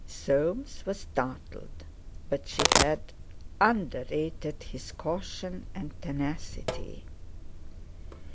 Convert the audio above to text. Soames was startled, but she had underrated his caution and tenacity.